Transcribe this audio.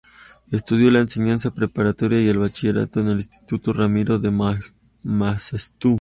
Estudió la enseñanza preparatoria y el bachillerato en el Instituto Ramiro de Maeztu.